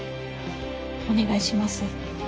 お願いします。